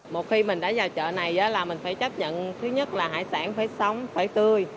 một khi mình đã vào chợ này là mình phải chấp nhận thứ nhất là hải sản phải sống phải tươi